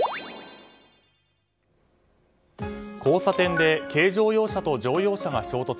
交差点で軽乗用車と乗用車が衝突。